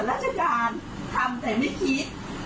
แต่ยังมาทำแบบนี้